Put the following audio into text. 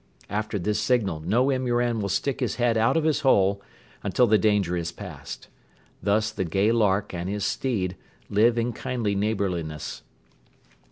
After this signal no imouran will stick his head out of his hole until the danger is past. Thus the gay lark and his steed live in kindly neighborliness.